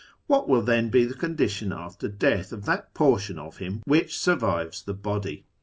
What will then be the condition after death of that portion of him which survives the body